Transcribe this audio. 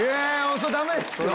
それダメですよ